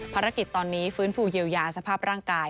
ภารกิจตอนนี้ฟื้นฟูเยียวยาสภาพร่างกาย